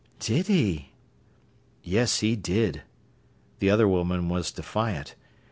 "Did he?" "Yes, he did." The other woman was defiant.